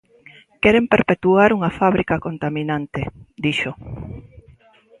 "Queren perpetuar unha fábrica contaminante", dixo.